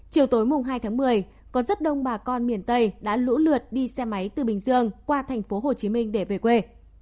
chiều tối mùng hai tháng một mươi còn rất đông bà con miền tây đã lũ lượt đi xe máy từ bình dương qua thành phố hồ chí minh để về quê